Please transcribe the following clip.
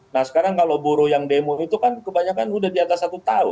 nah sekarang kalau buruh yang demo itu kan kebanyakan udah di atas satu tahun